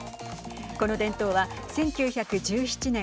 この伝統は１９１７年